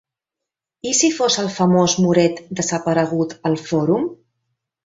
I si fos el famós moret desaparegut al Fòrum?